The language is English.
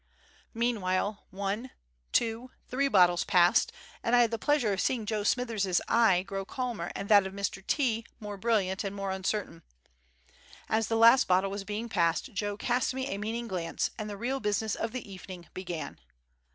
Meanwhile one, two, three bottles passed, and I had the pleasure of seeing Joe Smithers's eye grow calmer and that of Mr. T more brilliant and more uncertain. As the last bottle was being passed, Joe cast me a meaning glance, and the real business of the evening began.